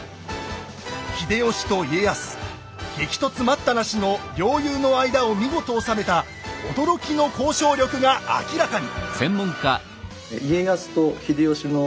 激突待ったなしの両雄の間を見事収めた驚きの交渉力が明らかに！